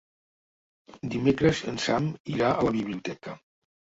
Dimecres en Sam irà a la biblioteca.